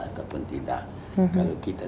ataupun tidak kalau kita